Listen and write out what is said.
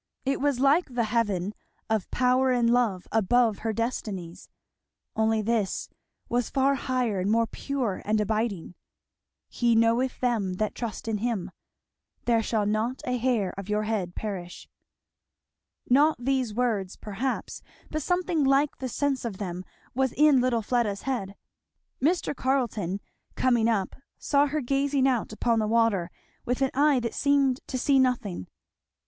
It was like the heaven of power and love above her destinies; only this was far higher and more pure and abiding. "He knoweth them that trust in him." "There shall not a hair of your head perish." Not these words perhaps, but something like the sense of them was in little Fleda's head. Mr. Carleton coming up saw her gazing out upon the water with an eye that seemed to see nothing.